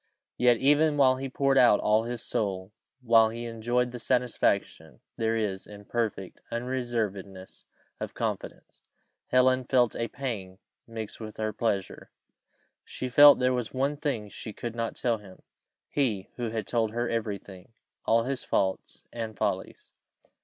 Yet, even while he poured out all his soul while he enjoyed the satisfaction there is in perfect unreservedness of confidence, Helen felt a pang mix with her pleasure. She felt there was one thing she could not tell him: he who had told her every thing all his faults, and follies.